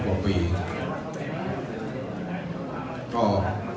ขอบคุณครับ